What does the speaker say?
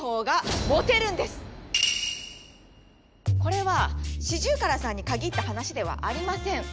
これはシジュウカラさんに限った話ではありません。